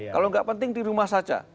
kalau nggak penting di rumah saja